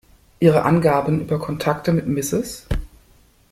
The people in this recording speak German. Ihre Angaben über Kontakte mit Mrs.